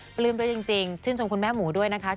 ปลื้มด้วยจริงชื่นชมคุณแม่หมูด้วยนะคะ